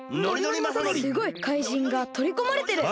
すごい！かいじんがとりこまれてる！